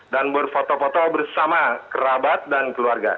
dan berfoto foto bersama kerabat dan keluarga